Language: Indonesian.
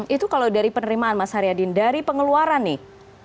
itu kalau dari penerimaan mas haryadin dari pengeluaran nih